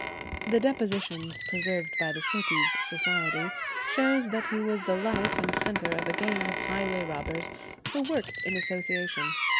The depositions preserved by the Surtees' Society show that he was the life and centre of a gang of highway robbers who worked in association.